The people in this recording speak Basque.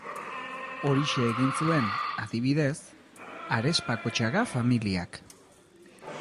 Horixe egin zuen, adibidez, Arespakotxaga familiak.